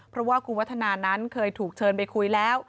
เพราะว่าคุณวัฒนานั้นเคยถูกเชิญไปคุยแล้ว